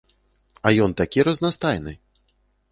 А ён такі разнастайны!